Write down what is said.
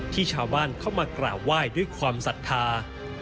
ชาวบ้านเข้ามากราบไหว้ด้วยความศรัทธา